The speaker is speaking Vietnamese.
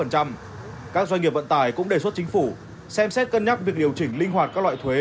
các doanh nghiệp vận tải cũng đề xuất chính phủ xem xét cân nhắc việc điều chỉnh linh hoạt các loại thuế